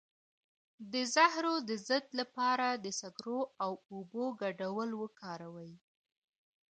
د زهرو د ضد لپاره د سکرو او اوبو ګډول وکاروئ